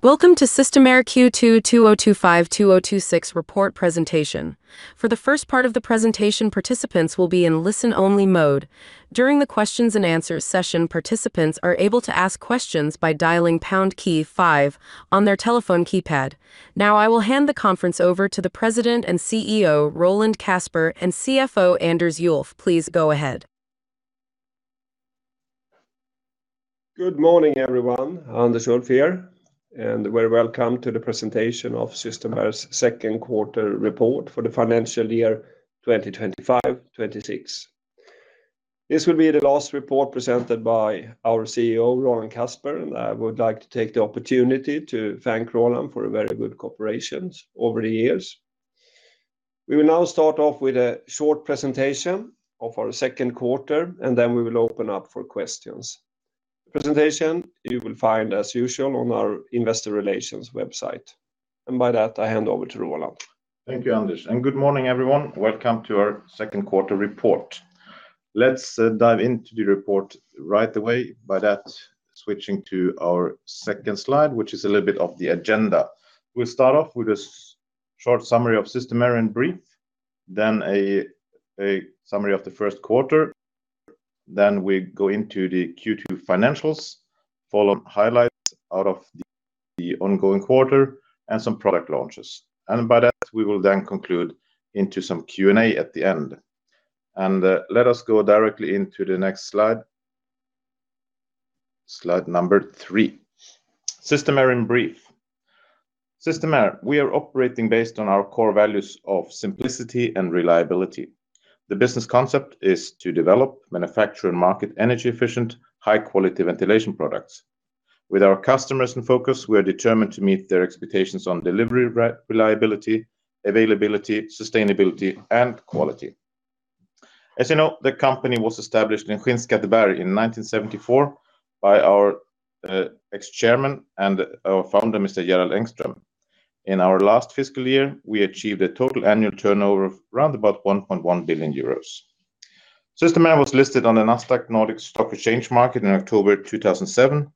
Welcome to Systemair Q2 2025-2026 report presentation. For the first part of the presentation, participants will be in listen-only mode. During the Q&A session, participants are able to ask questions by dialing pound key five on their telephone keypad. Now, I will hand the conference over to the President and CEO, Roland Kasper, and CFO Anders Ulff. Please go ahead. Good morning, everyone. Anders Ulff here, and a very welcome to the presentation of Systemair's second quarter report for the financial year 2025-2026. This will be the last report presented by our CEO, Roland Kasper, and I would like to take the opportunity to thank Roland for a very good cooperation over the years. We will now start off with a short presentation of our second quarter, and then we will open up for questions. The presentation you will find, as usual, on our Investor Relations website. And by that, I hand over to Roland. Thank you, Anders. And good morning, everyone. Welcome to our second quarter report. Let's dive into the report right away. By that, switching to our second slide, which is a little bit of the agenda. We'll start off with a short summary of Systemair in brief, then a summary of the first quarter. Then we go into the Q2 financials, follow highlights out of the ongoing quarter, and some product launches. And by that, we will then conclude into some Q&A at the end. And let us go directly into the next slide, slide number three. Systemair in brief. Systemair, we are operating based on our core values of simplicity and reliability. The business concept is to develop, manufacture, and market energy-efficient, high-quality ventilation products. With our customers in focus, we are determined to meet their expectations on delivery reliability, availability, sustainability, and quality. As you know, the company was established in Skinnskatteberg in 1974 by our ex-chairman and our founder, Mr. Gerald Engström. In our last fiscal year, we achieved a total annual turnover of around about 1.1 billion euros. Systemair was listed on the Nasdaq Nordic Stock Exchange market in October 2007,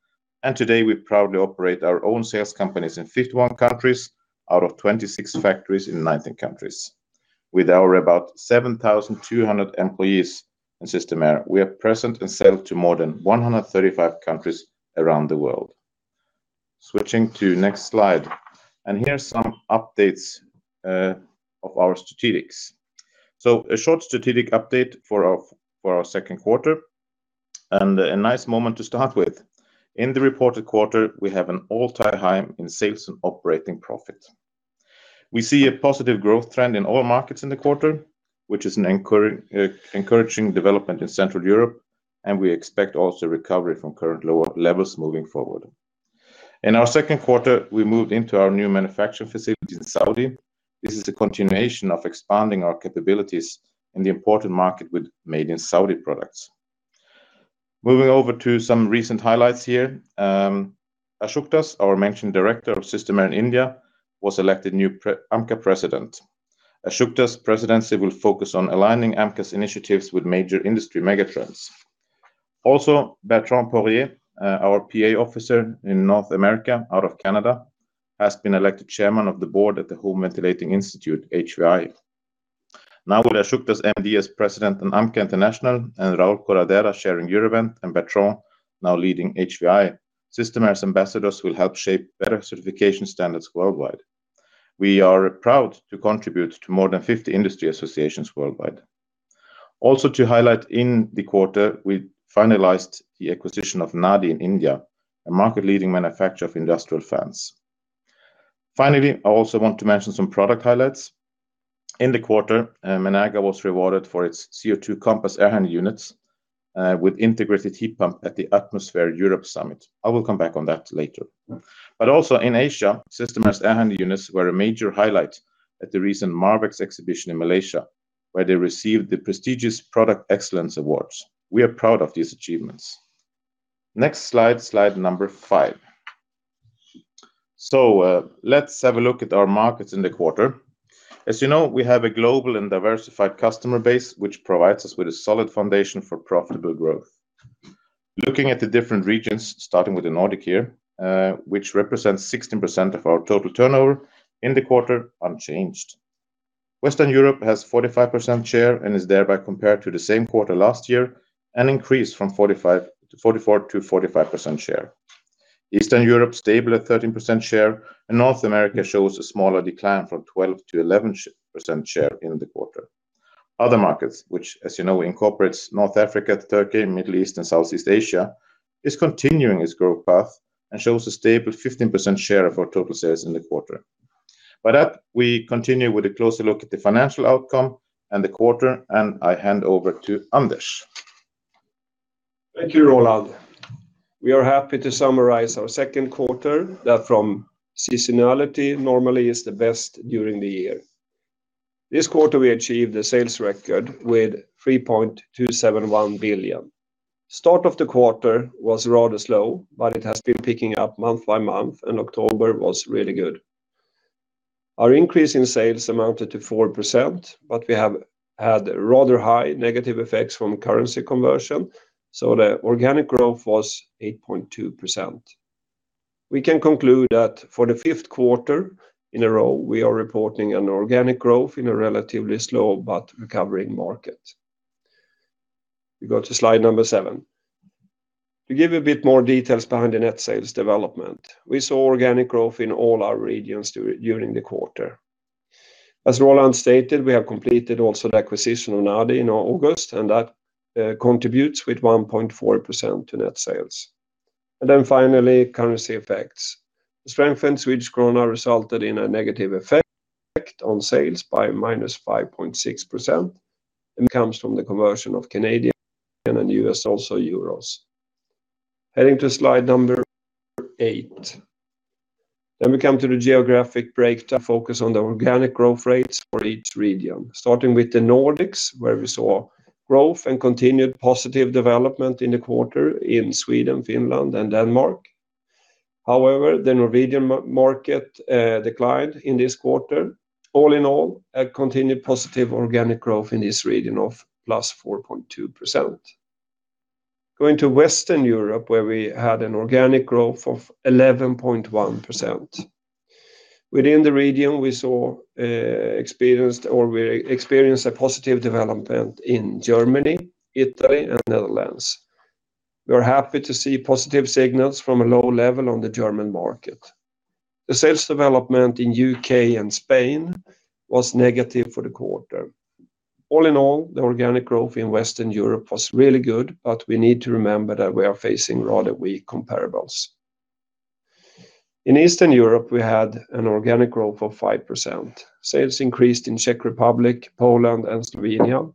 and today we proudly operate our own sales companies in 51 countries out of 26 factories in 19 countries. With our about 7,200 employees in Systemair, we are present and sell to more than 135 countries around the world. Switching to the next slide, and here are some updates of our strategic. So, a short strategic update for our second quarter, and a nice moment to start with. In the reported quarter, we have an all-time high in sales and operating profit. We see a positive growth trend in all markets in the quarter, which is an encouraging development in Central Europe, and we expect also recovery from current lower levels moving forward. In our second quarter, we moved into our new manufacturing facility in Saudi. This is a continuation of expanding our capabilities in the important market with made-in-Saudi products. Moving over to some recent highlights here, Asokdas, our Managing Director of Systemair in India, was elected new AMCA president. Asokdas's presidency will focus on aligning AMCA's initiatives with major industry megatrends. Also, Bertrand Poirier, our NA Officer in North America out of Canada, has been elected chairman of the board at the Home Ventilating Institute, HVI. Now, with Asokdas MD as president on AMCA International and Raul Corredera chairing Eurovent, and Bertrand now leading HVI, Systemair's ambassadors will help shape better certification standards worldwide. We are proud to contribute to more than 50 industry associations worldwide. Also, to highlight in the quarter, we finalized the acquisition of Nadi in India, a market-leading manufacturer of industrial fans. Finally, I also want to mention some product highlights. In the quarter, Menerga was rewarded for its CO2mpass air handling units with integrated heat pump at the ATMOsphere Europe Summit. I will come back on that later. But also, in Asia, Systemair's air handling units were a major highlight at the recent MARVEX exhibition in Malaysia, where they received the prestigious Product Excellence Awards. We are proud of these achievements. Next slide, slide number five. So, let's have a look at our markets in the quarter. As you know, we have a global and diversified customer base, which provides us with a solid foundation for profitable growth. Looking at the different regions, starting with the Nordics here, which represents 16% of our total turnover in the quarter, unchanged. Western Europe has a 45% share and is thereby, compared to the same quarter last year, an increase from 44% to 45% share. Eastern Europe is stable at 13% share, and North America shows a smaller decline from 12% to 11% share in the quarter. Other markets, which, as you know, incorporate North Africa, Turkey, Middle East, and Southeast Asia, are continuing their growth path and show a stable 15% share of our total sales in the quarter. By that, we continue with a closer look at the financial outcome and the quarter, and I hand over to Anders. Thank you, Roland. We are happy to summarize our second quarter, that from seasonality normally is the best during the year. This quarter, we achieved a sales record with 3.271 billion. The start of the quarter was rather slow, but it has been picking up month by month, and October was really good. Our increase in sales amounted to 4%, but we have had rather high negative effects from currency conversion, so the organic growth was 8.2%. We can conclude that for the fifth quarter in a row, we are reporting an organic growth in a relatively slow but recovering market. We go to slide number seven. To give you a bit more details behind the net sales development, we saw organic growth in all our regions during the quarter. As Roland stated, we have completed also the acquisition of Nadi in August, and that contributes with 1.4% to net sales. And then finally, currency effects. The strengthened Swedish krona resulted in a negative effect on sales by -5.6%. It comes from the conversion of Canadian and U.S., also euros. Heading to slide number eight, then we come to the geographic breakdown. We focus on the organic growth rates for each region, starting with the Nordics, where we saw growth and continued positive development in the quarter in Sweden, Finland, and Denmark. However, the Norwegian market declined in this quarter. All in all, a continued positive organic growth in this region of +4.2%. Going to Western Europe, where we had an organic growth of 11.1%. Within the region, we experienced a positive development in Germany, Italy, and Netherlands. We are happy to see positive signals from a low level on the German market. The sales development in the U.K. and Spain was negative for the quarter. All in all, the organic growth in Western Europe was really good, but we need to remember that we are facing rather weak comparables. In Eastern Europe, we had an organic growth of 5%. Sales increased in the Czech Republic, Poland, and Slovenia,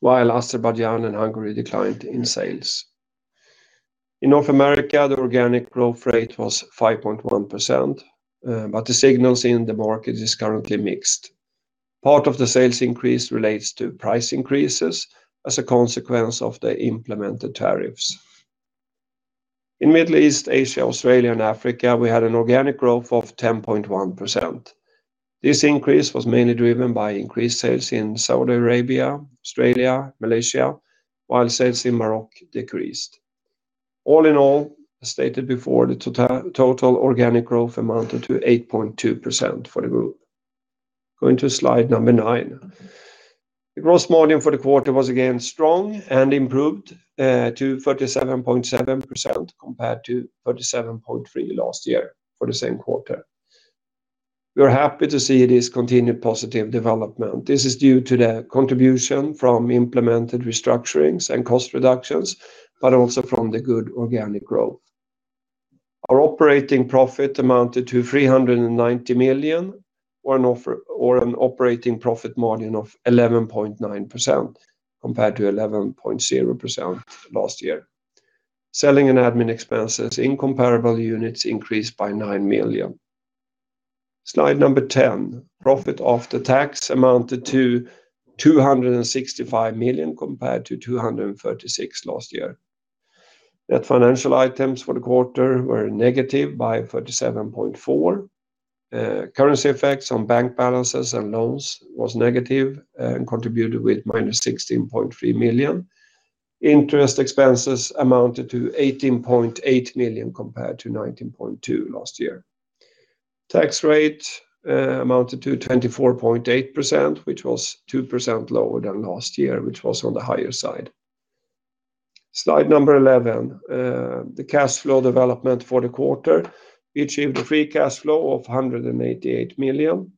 while Azerbaijan and Hungary declined in sales. In North America, the organic growth rate was 5.1%, but the signals in the market are currently mixed. Part of the sales increase relates to price increases as a consequence of the implemented tariffs. In Middle East, Asia, Australia, and Africa, we had an organic growth of 10.1%. This increase was mainly driven by increased sales in Saudi Arabia, Australia, Malaysia, while sales in Morocco decreased. All in all, as stated before, the total organic growth amounted to 8.2% for the group. Going to slide number nine. The gross volume for the quarter was again strong and improved to 37.7% compared to 37.3% last year for the same quarter. We are happy to see this continued positive development. This is due to the contribution from implemented restructurings and cost reductions, but also from the good organic growth. Our operating profit amounted to 390 million or an operating profit margin of 11.9% compared to 11.0% last year. Selling and admin expenses in comparable units increased by 9 million. Slide number 10. Profit after tax amounted to 265 million compared to 236 million last year. Net financial items for the quarter were negative by 37.4%. Currency effects on bank balances and loans were negative and contributed with minus 16.3 million. Interest expenses amounted to 18.8 million compared to 19.2 million last year. Tax rate amounted to 24.8%, which was 2% lower than last year, which was on the higher side. Slide number 11. The cash flow development for the quarter achieved a free cash flow of 188 million.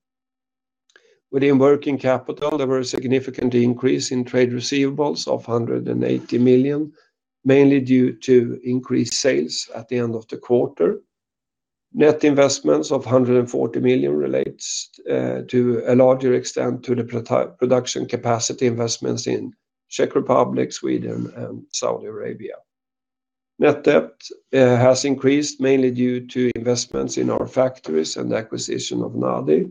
Within working capital, there was a significant increase in trade receivables of 180 million, mainly due to increased sales at the end of the quarter. Net investments of 140 million relate to a larger extent to the production capacity investments in the Czech Republic, Sweden, and Saudi Arabia. Net debt has increased mainly due to investments in our factories and acquisition of NADI.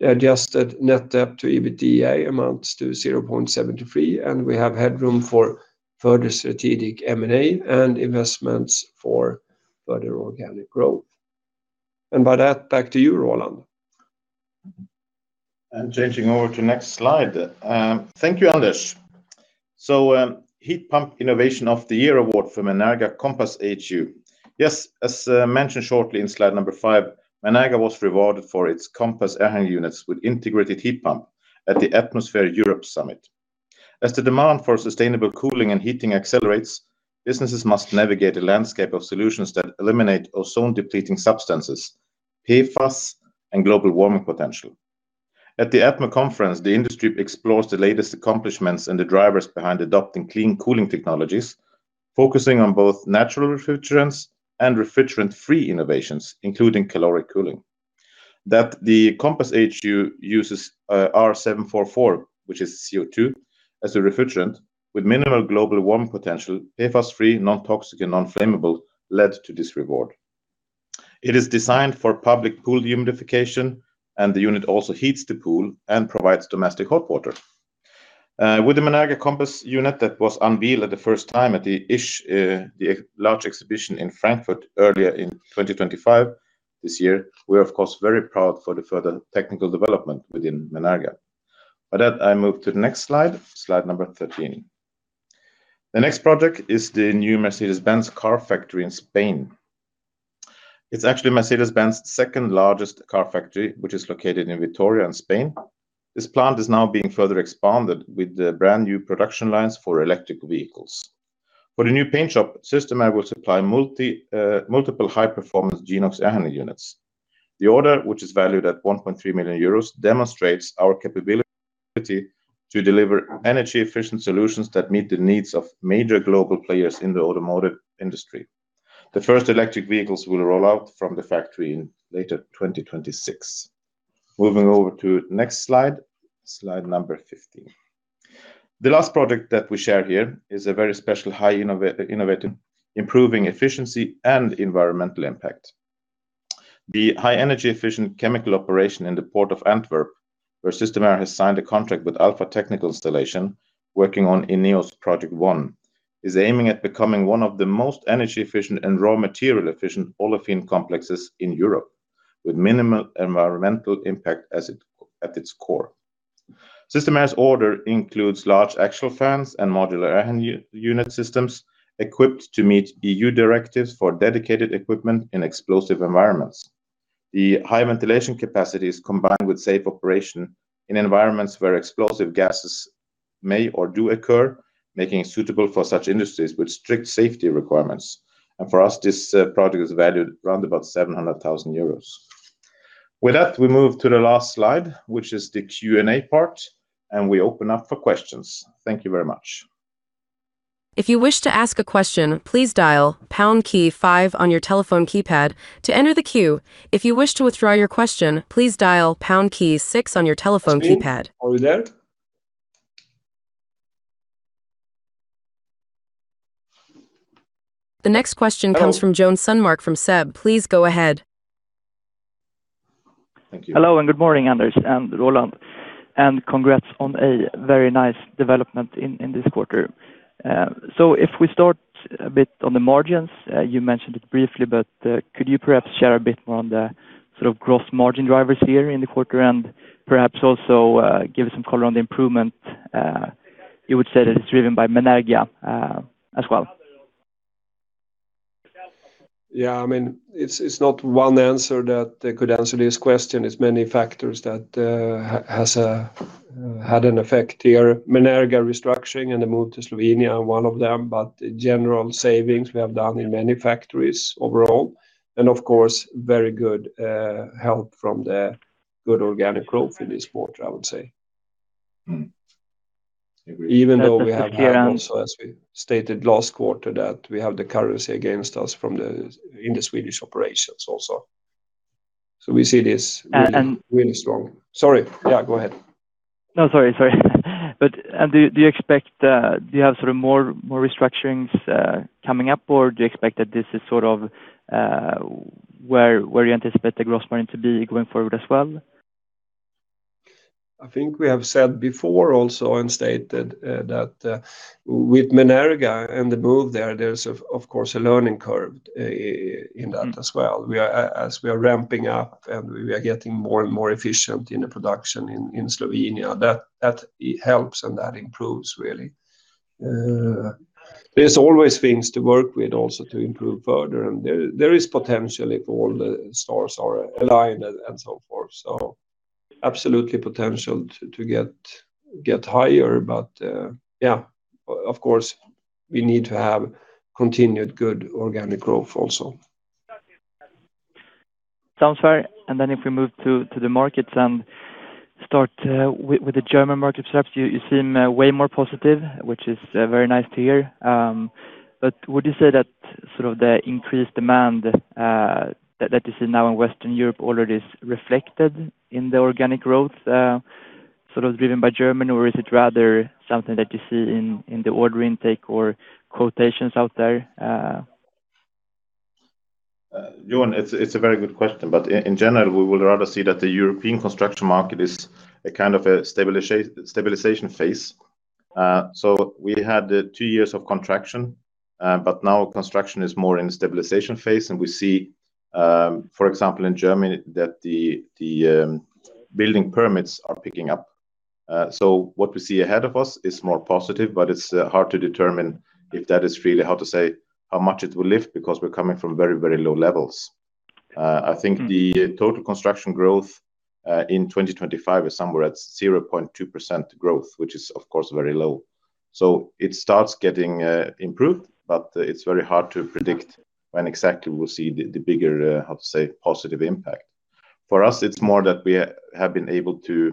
The adjusted net debt to EBITDA amounts to 0.73, and we have headroom for further strategic M&A and investments for further organic growth. And by that, back to you, Roland. And changing over to the next slide. Thank you, Anders. Heat Pump Innovation of the Year Award for Menerga CO2mpass AHU. Yes, as mentioned shortly in slide number five, Menerga was rewarded for its CO2mpass air handling units with integrated heat pump at the ATMOsphere Europe Summit. As the demand for sustainable cooling and heating accelerates, businesses must navigate a landscape of solutions that eliminate ozone-depleting substances, PFAS, and global warming potential. At the ATMO conference, the industry explores the latest accomplishments and the drivers behind adopting clean cooling technologies, focusing on both natural refrigerants and refrigerant-free innovations, including caloric cooling. That the CO2mpass AHU uses R744, which is CO2, as a refrigerant with minimal global warming potential, PFAS-free, non-toxic, and non-flammable led to this reward. It is designed for public pool humidification, and the unit also heats the pool and provides domestic hot water. With the Menerga CO2mpass unit that was unveiled at the first time at the ISH, the large exhibition in Frankfurt earlier in 2025 this year, we are, of course, very proud for the further technical development within Menerga. By that, I move to the next slide, slide number 13. The next project is the new Mercedes-Benz car factory in Spain. It's actually Mercedes-Benz's second largest car factory, which is located in Vitoria in Spain. This plant is now being further expanded with the brand new production lines for electric vehicles. For the new paint shop, Systemair will supply multiple high-performance Geniox air handling units. The order, which is valued at 1.3 million euros, demonstrates our capability to deliver energy-efficient solutions that meet the needs of major global players in the automotive industry. The first electric vehicles will roll out from the factory in late 2026. Moving over to the next slide, slide number 15. The last project that we share here is a very special high innovation, improving efficiency and environmental impact. The high-energy-efficient chemical operation in the port of Antwerp, where Systemair has signed a contract with Alpha Technical Installations, working on INEOS Project ONE, is aiming at becoming one of the most energy-efficient and raw material-efficient olefin complexes in Europe, with minimal environmental impact at its core. Systemair's order includes large axial fans and modular air handling unit systems equipped to meet EU directives for dedicated equipment in explosive environments. The high ventilation capacity is combined with safe operation in environments where explosive gases may or do occur, making it suitable for such industries with strict safety requirements. For us, this project is valued at around about 700,000 euros. With that, we move to the last slide, which is the Q&A part, and we open up for questions. Thank you very much. If you wish to ask a question, please dial pound key five on your telephone keypad to enter the queue. If you wish to withdraw your question, please dial pound key six on your telephone keypad. Are we there? The next question comes from Joen Sundmark from SEB. Please go ahead. Thank you. Hello and good morning, Anders and Roland, and congrats on a very nice development in this quarter. So if we start a bit on the margins, you mentioned it briefly, but could you perhaps share a bit more on the sort of gross margin drivers here in the quarter and perhaps also give us some color on the improvement? You would say that it's driven by Menerga as well. Yeah, I mean, it's not one answer that could answer this question. It's many factors that have had an effect here. Menerga restructuring and the move to Slovenia are one of them, but the general savings we have done in many factories overall, and of course, very good help from the good organic growth in this quarter, I would say. Even though we have also, as we stated last quarter, that we have the currency against us from the Swedish operations also. So we see this really strong. Sorry, yeah, go ahead. No, sorry, sorry, but do you expect to have sort of more restructurings coming up, or do you expect that this is sort of where you anticipate the gross margin to be going forward as well? I think we have said before also and stated that with Menerga and the move there, there's of course a learning curve in that as well. As we are ramping up and we are getting more and more efficient in the production in Slovenia, that helps and that improves really. There's always things to work with also to improve further, and there is potential if all the stars are aligned and so forth. So absolutely potential to get higher, but yeah, of course, we need to have continued good organic growth also. Sounds fair. And then if we move to the markets and start with the German market, perhaps you seem way more positive, which is very nice to hear. But would you say that sort of the increased demand that you see now in Western Europe already is reflected in the organic growth sort of driven by Germany, or is it rather something that you see in the order intake or quotations out there? Joen, it's a very good question, but in general, we would rather see that the European construction market is a kind of a stabilization phase. So we had two years of contraction, but now construction is more in a stabilization phase, and we see, for example, in Germany that the building permits are picking up. So what we see ahead of us is more positive, but it's hard to determine if that is really, how to say, how much it will lift because we're coming from very, very low levels. I think the total construction growth in 2025 is somewhere at 0.2% growth, which is of course very low. So it starts getting improved, but it's very hard to predict when exactly we'll see the bigger, how to say, positive impact. For us, it's more that we have been able to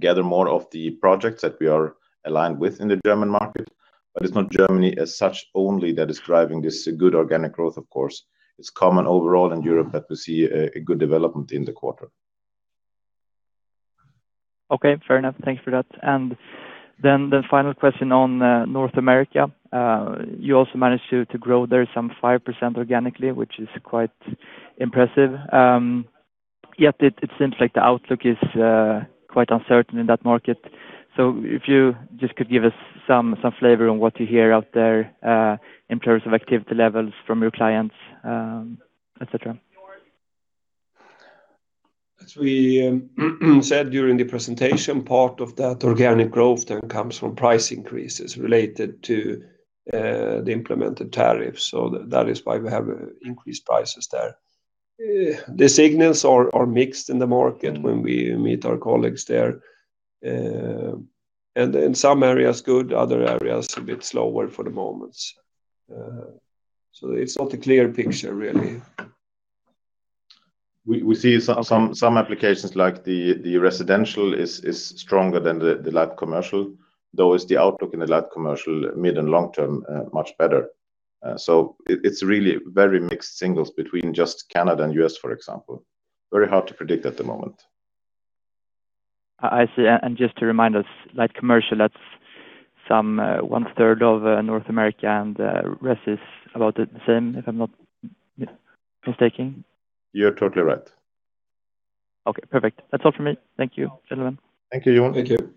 gather more of the projects that we are aligned with in the German market, but it's not Germany as such only that is driving this good organic growth, of course. It's common overall in Europe that we see a good development in the quarter. Okay, fair enough. Thanks for that. And then the final question on North America. You also managed to grow there some 5% organically, which is quite impressive. Yet it seems like the outlook is quite uncertain in that market. So if you just could give us some flavor on what you hear out there in terms of activity levels from your clients, etc. As we said during the presentation, part of that organic growth then comes from price increases related to the implemented tariffs. That is why we have increased prices there. The signals are mixed in the market when we meet our colleagues there. In some areas, good. Other areas, a bit slower for the moment. It is not a clear picture really. We see some applications like the residential is stronger than the light commercial, though the outlook in the light commercial mid and long term is much better. It is really very mixed signals between just Canada and the U.S., for example. Very hard to predict at the moment. I see. And just to remind us, Light commercial, that's some one-third of North America and the rest is about the same, if I'm not mistaken. You're totally right. Okay, perfect. That's all for me. Thank you, gentlemen. Thank you, Joen. Thank you.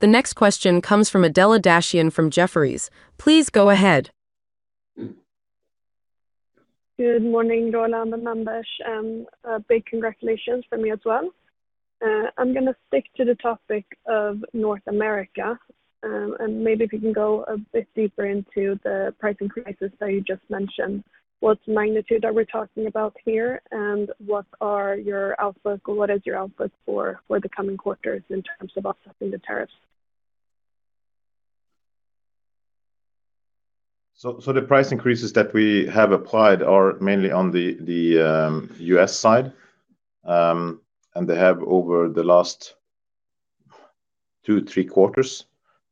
The next question comes from Adela Dashian from Jefferies. Please go ahead. Good morning, Roland and Anders, and big congratulations from me as well. I'm going to stick to the topic of North America, and maybe if we can go a bit deeper into the price increases that you just mentioned. What magnitude are we talking about here? And what are your outlook? What is your outlook for the coming quarters in terms of offsetting the tariffs? So the price increases that we have applied are mainly on the U.S. side. And they have over the last two, three quarters,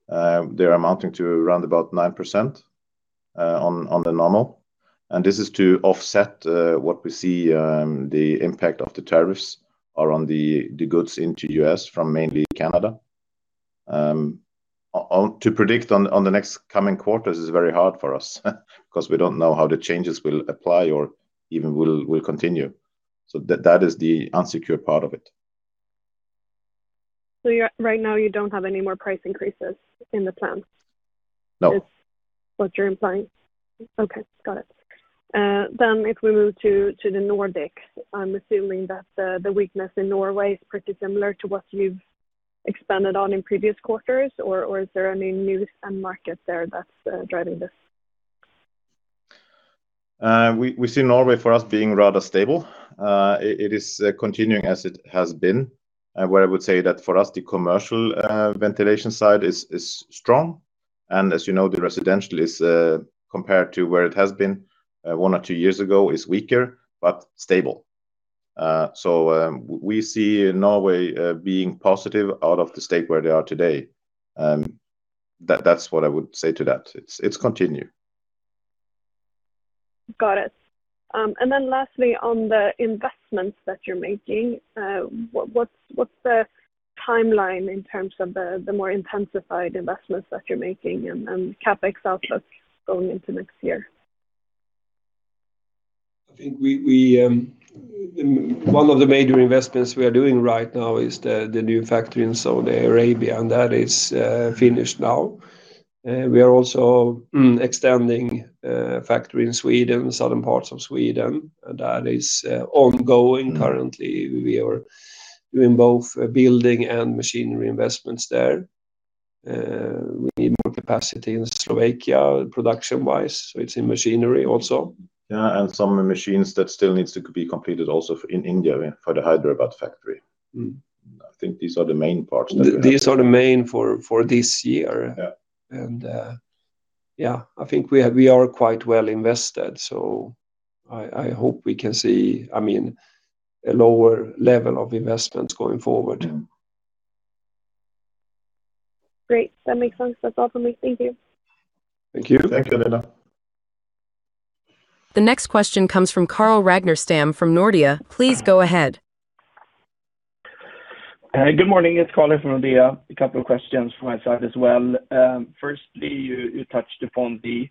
they're amounting to around about 9% on the normal. And this is to offset what we see the impact of the tariffs are on the goods into the U.S. from mainly Canada. To predict on the next coming quarters is very hard for us because we don't know how the changes will apply or even will continue. So that is the uncertain part of it. So right now, you don't have any more price increases in the plan? No. Is what you're implying? Okay, got it. Then if we move to the Nordics, I'm assuming that the weakness in Norway is pretty similar to what you've expanded on in previous quarters, or is there any new market there that's driving this? We see Norway for us being rather stable. It is continuing as it has been. Where I would say that for us, the commercial ventilation side is strong. And as you know, the residential is compared to where it has been one or two years ago is weaker, but stable. So we see Norway being positive out of the state where they are today. That's what I would say to that. It continues. Got it. And then lastly, on the investments that you're making, what's the timeline in terms of the more intensified investments that you're making and CapEx outlook going into next year? I think one of the major investments we are doing right now is the new factory in Saudi Arabia, and that is finished now. We are also extending a factory in Sweden, southern parts of Sweden. That is ongoing currently. We are doing both building and machinery investments there. We need more capacity in Slovakia production-wise, so it's in machinery also. Yeah, and some machines that still need to be completed also in India for the Hyderabad factory. I think these are the main parts that we have. These are the main for this year, and yeah, I think we are quite well invested, so I hope we can see, I mean, a lower level of investments going forward. Great. That makes sense. That's all for me. Thank you. Thank you. Thank you, Adela The next question comes from Carl Ragnerstam from Nordea. Please go ahead. Good morning. It's Carl from Nordea. A couple of questions from my side as well. Firstly, you touched upon the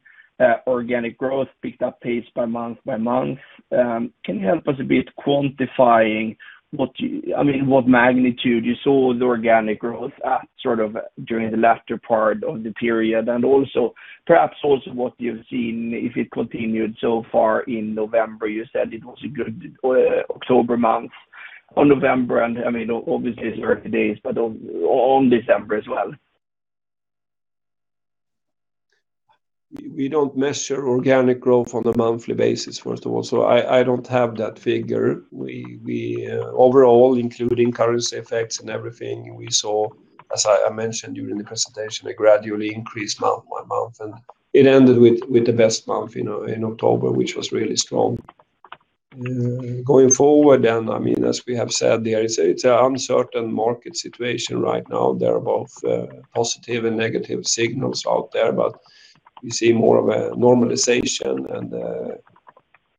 organic growth picked up pace by month by month. Can you help us a bit quantifying what magnitude you saw the organic growth at sort of during the latter part of the period? And also perhaps also what you've seen if it continued so far in November. You said it was a good October month on November, and I mean, obviously it's 30 days, but on December as well. We don't measure organic growth on a monthly basis, first of all. So I don't have that figure. Overall, including currency effects and everything, we saw, as I mentioned during the presentation, a gradually increased month by month. And it ended with the best month in October, which was really strong. Going forward, and I mean, as we have said, there is an uncertain market situation right now. There are both positive and negative signals out there, but we see more of a normalization and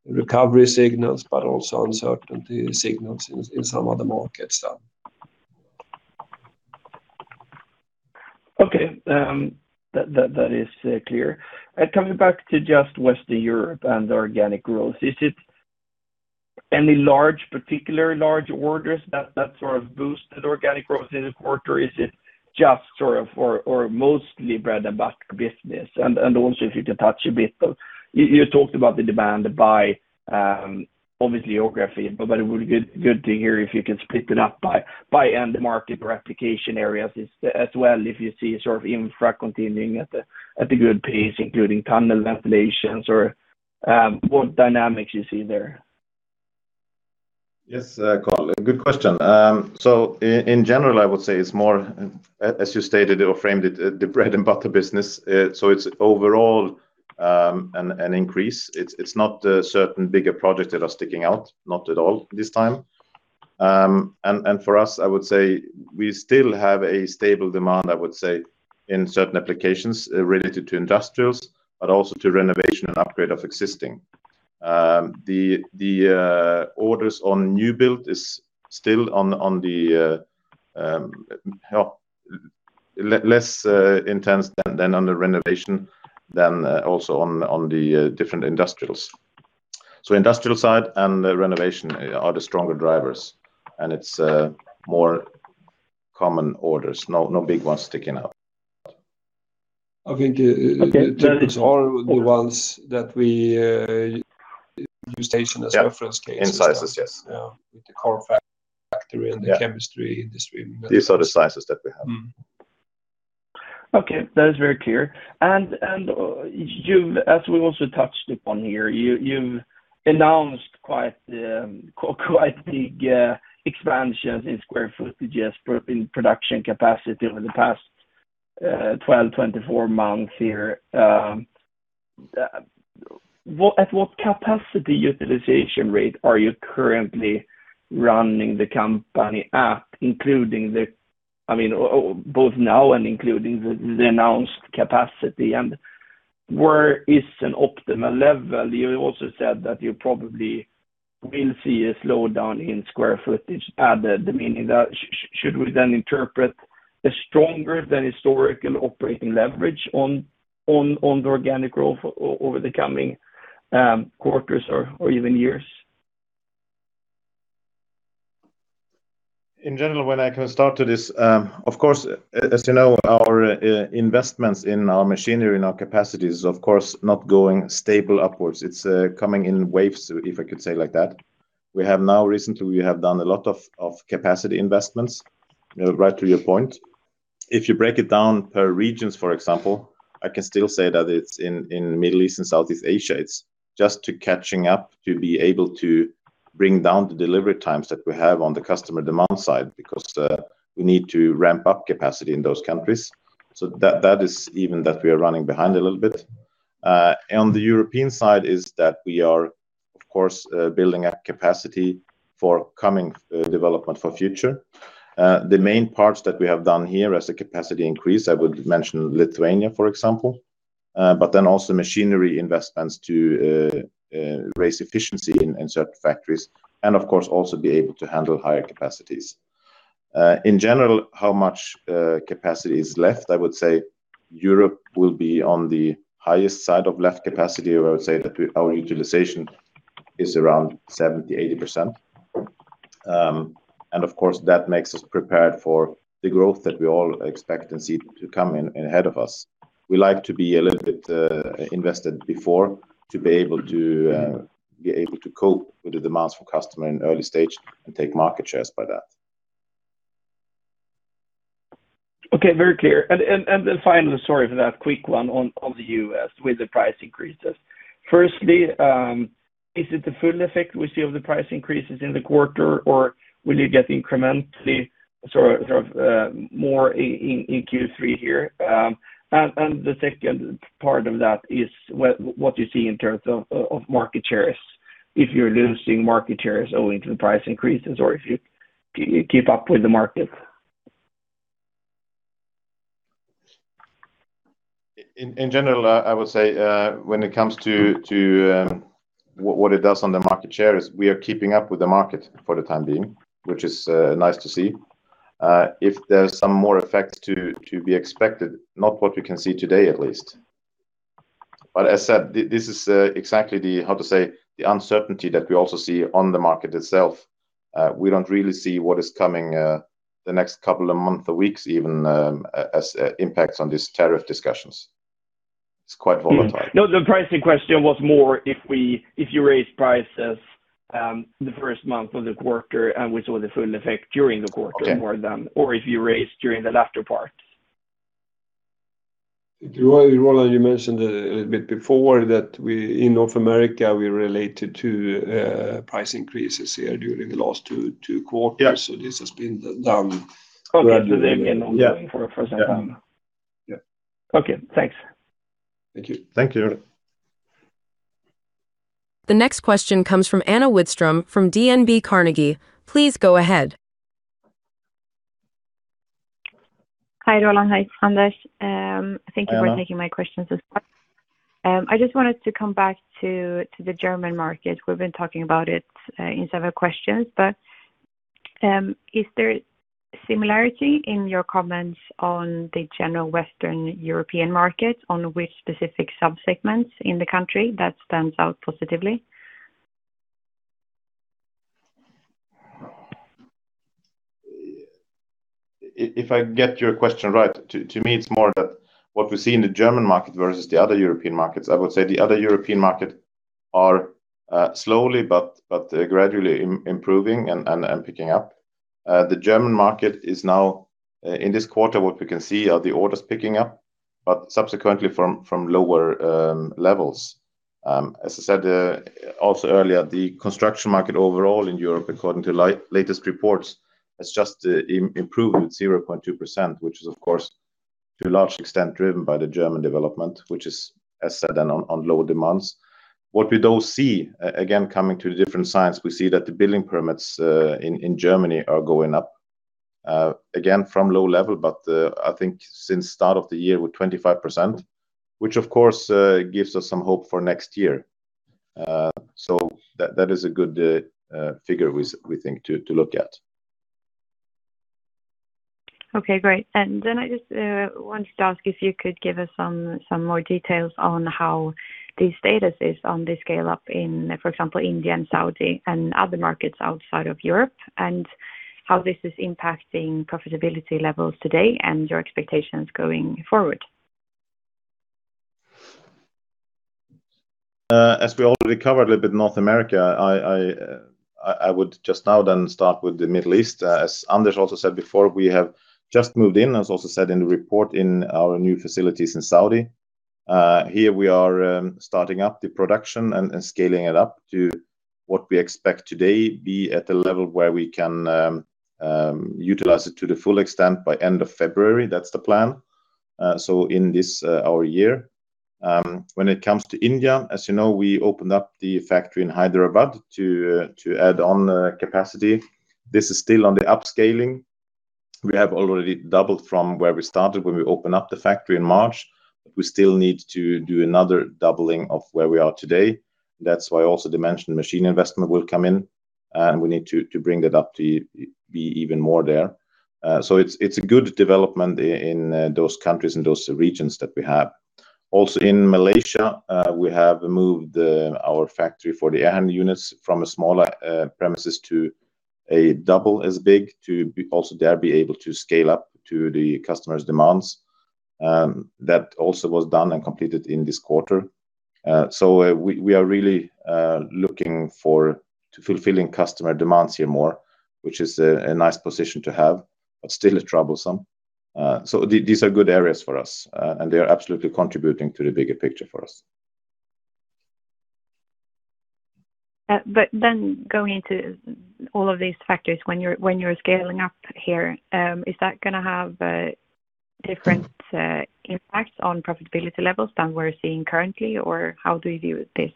recovery signals, but also uncertainty signals in some other markets. Okay. That is clear. Coming back to just Western Europe and organic growth, is it any particular large orders that sort of boosted organic growth in the quarter? Is it just sort of or mostly bread and butter business? And also if you can touch a bit, you talked about the demand by obviously geography, but it would be good to hear if you can split it up by end market or application areas as well if you see sort of infra continuing at a good pace, including tunnel ventilations or what dynamics you see there. Yes, Carl. Good question. So in general, I would say it's more, as you stated or framed it, the bread and butter business. So it's overall an increase. It's not certain bigger projects that are sticking out, not at all this time. And for us, I would say we still have a stable demand, I would say, in certain applications related to industrials, but also to renovation and upgrade of existing. The orders on new build is still on the less intense than on the renovation, then also on the different industrials. So industrial side and renovation are the stronger drivers, and it's more common orders. No big ones sticking out. I think. Okay. Then it's all the ones that we use station as reference cases. In sizes, yes. Yeah. With the core factory and the chemistry industry. These are the sizes that we have. Okay. That is very clear. And as we also touched upon here, you've announced quite big expansions in square footages in production capacity over the past 12, 24 months here. At what capacity utilization rate are you currently running the company at, including the, I mean, both now and including the announced capacity? And where is an optimal level? You also said that you probably will see a slowdown in square footage added, meaning that should we then interpret a stronger than historical operating leverage on the organic growth over the coming quarters or even years? In general, when I can start to this, of course, as you know, our investments in our machinery and our capacity is of course not going stable upwards. It's coming in waves, if I could say like that. We have now recently, we have done a lot of capacity investments. Right to your point. If you break it down per regions, for example, I can still say that it's in Middle East and Southeast Asia. It's just catching up to be able to bring down the delivery times that we have on the customer demand side because we need to ramp up capacity in those countries. So that is even that we are running behind a little bit. On the European side is that we are, of course, building up capacity for coming development for future. The main parts that we have done here as a capacity increase, I would mention Lithuania, for example, but then also machinery investments to raise efficiency in certain factories and, of course, also be able to handle higher capacities. In general, how much capacity is left, I would say Europe will be on the highest side of left capacity. I would say that our utilization is around 70%-80%. And of course, that makes us prepared for the growth that we all expect and see to come ahead of us. We like to be a little bit invested before to be able to cope with the demands for customers in early stage and take market shares by that. Okay. Very clear. And then finally, sorry for that quick one on the U.S. with the price increases. Firstly, is it the full effect we see of the price increases in the quarter, or will you get incrementally sort of more in Q3 here? And the second part of that is what you see in terms of market shares, if you're losing market shares owing to the price increases or if you keep up with the market? In general, I would say when it comes to what it does on the market shares, we are keeping up with the market for the time being, which is nice to see. If there's some more effect to be expected, not what we can see today at least. But as I said, this is exactly the, how to say, the uncertainty that we also see on the market itself. We don't really see what is coming the next couple of months or weeks even as impacts on these tariff discussions. It's quite volatile. No, the pricing question was more if you raise prices the first month of the quarter, which was the full effect during the quarter more than, or if you raise during the latter part. Roland, you mentioned a little bit before that in North America, we realized price increases here during the last two quarters. So this has been done. Contradicting and ongoing for the first time. Yeah. Okay. Thanks. Thank you. Thank you. The next question comes from Anna Widström from DNB Carnegie. Please go ahead. Hi, Roland. Hi, Anders. Thank you for taking my questions as well. I just wanted to come back to the German market. We've been talking about it in several questions, but is there similarity in your comments on the general Western European market or which specific subsegments in the country that stands out positively? If I get your question right, to me, it's more that what we see in the German market versus the other European markets, I would say the other European markets are slowly but gradually improving and picking up. The German market is now, in this quarter, what we can see are the orders picking up, but subsequently from lower levels. As I said also earlier, the construction market overall in Europe, according to latest reports, has just improved with 0.2%, which is, of course, to a large extent driven by the German development, which is, as I said, on lower demands. What we do see, again, coming to the different sides, we see that the building permits in Germany are going up again from low level, but I think since start of the year with 25%, which of course gives us some hope for next year. So that is a good figure, we think, to look at. Okay. Great. And then I just wanted to ask if you could give us some more details on how the status is on the scale-up in, for example, India and Saudi and other markets outside of Europe, and how this is impacting profitability levels today and your expectations going forward? As we already covered a little bit North America, I would just now then start with the Middle East. As Anders also said before, we have just moved in, as also said in the report, in our new facilities in Saudi. Here we are starting up the production and scaling it up to what we expect today be at a level where we can utilize it to the full extent by end of February. That's the plan. So in this our year. When it comes to India, as you know, we opened up the factory in Hyderabad to add on capacity. This is still on the upscaling. We have already doubled from where we started when we opened up the factory in March, but we still need to do another doubling of where we are today. That's why I also mentioned machine investment will come in, and we need to bring that up to be even more there. It's a good development in those countries and those regions that we have. Also, in Malaysia, we have moved our factory for the air handling units from a smaller premises to a double as big to also there be able to scale up to the customer's demands. That also was done and completed in this quarter. We are really looking for fulfilling customer demands here more, which is a nice position to have, but still troublesome. These are good areas for us, and they are absolutely contributing to the bigger picture for us. But then going into all of these factors, when you're scaling up here, is that going to have different impacts on profitability levels than we're seeing currently, or how do you view this?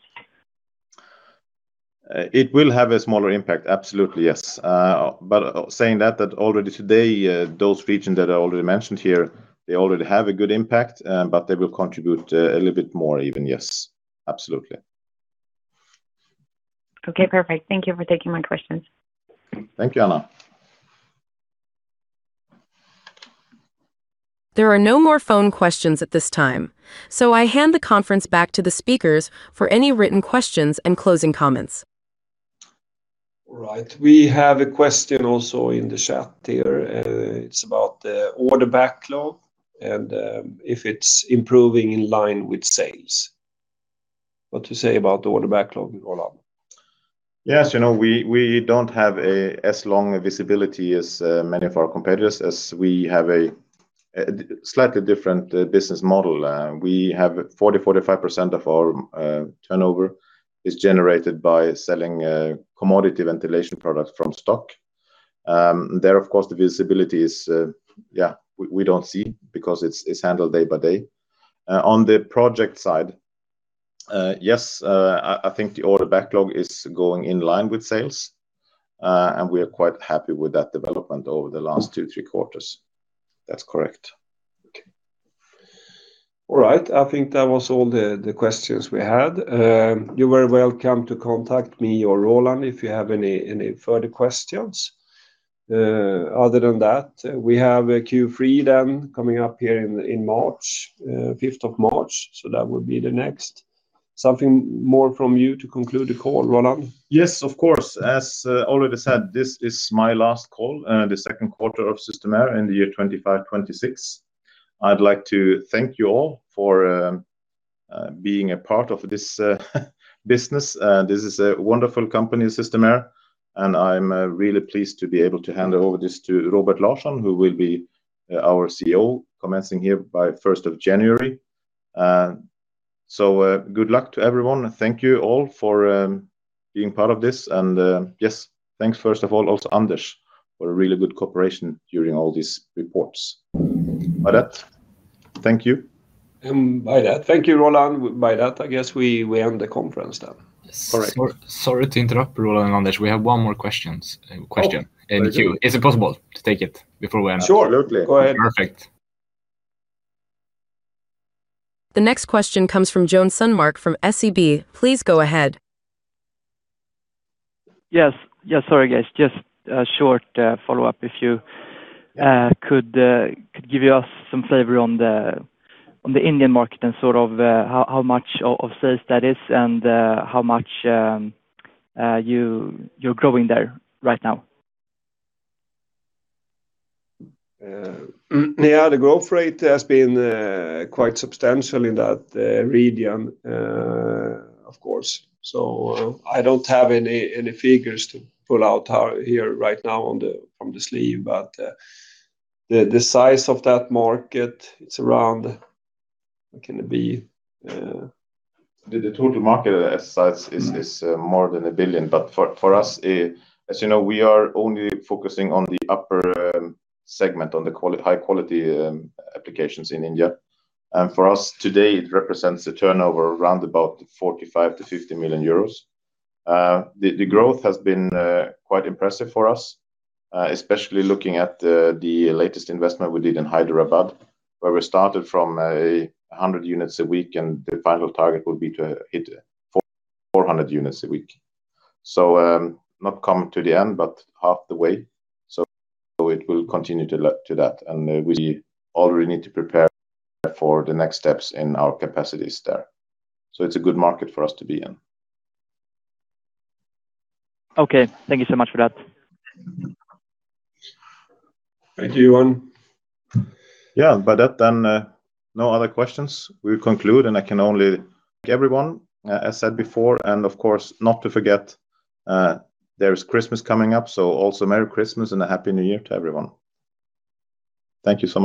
It will have a smaller impact. Absolutely, yes. But saying that, that already today, those regions that are already mentioned here, they already have a good impact, but they will contribute a little bit more even, yes. Absolutely. Okay. Perfect. Thank you for taking my questions. Thank you, Anna. There are no more phone questions at this time. So I hand the conference back to the speakers for any written questions and closing comments. All right. We have a question also in the chat here. It's about the order backlog and if it's improving in line with sales. What do you say about the order backlog, Roland? Yes. We don't have as long a visibility as many of our competitors as we have a slightly different business model. We have 40%-45% of our turnover is generated by selling commodity ventilation products from stock. There, of course, the visibility is, yeah, we don't see because it's handled day by day. On the project side, yes, I think the order backlog is going in line with sales, and we are quite happy with that development over the last two, three quarters. That's correct. Okay. All right. I think that was all the questions we had. You're very welcome to contact me or Roland if you have any further questions. Other than that, we have a Q3 then coming up here in March, 5th of March. So that would be the next. Something more from you to conclude the call, Roland? Yes, of course. As already said, this is my last call, the second quarter of Systemair in the year 2025/26. I'd like to thank you all for being a part of this business. This is a wonderful company, Systemair, and I'm really pleased to be able to hand over this to Robert Larsson, who will be our CEO, commencing here by 1st of January. So good luck to everyone. Thank you all for being part of this. And yes, thanks first of all, also Anders, for a really good cooperation during all these reports. By that, thank you. With that. Thank you, Roland. With that, I guess we end the conference then. Correct. Sorry to interrupt, Roland and Anders. We have one more question. Yeah. Is it possible to take it before we end? Sure. Absolutely. Go ahead. Perfect. The next question comes from Joen Sundmark from SEB. Please go ahead. Yes. Yes. Sorry, guys. Just a short follow-up. If you could give us some flavor on the Indian market and sort of how much of sales that is and how much you're growing there right now? Yeah. The growth rate has been quite substantial in that region, of course. So I don't have any figures to pull out here right now from the sleeve, but the size of that market, it's around, can it be? The total market size is more than a billion, but for us, as you know, we are only focusing on the upper segment, on the high-quality applications in India, and for us today, it represents a turnover around about 45 million- 50 million euros. The growth has been quite impressive for us, especially looking at the latest investment we did in Hyderabad, where we started from 100 units a week, and the final target will be to hit 400 units a week, so not come to the end, but half the way, so it will continue to that, and we already need to prepare for the next steps in our capacities there, so it's a good market for us to be in. Okay. Thank you so much for that. Thank you, Joen. Yeah. With that, then no other questions. We'll conclude, and I can only thank everyone, as I said before, and of course, not to forget, there's Christmas coming up. So also Merry Christmas and a Happy New Year to everyone. Thank you so much.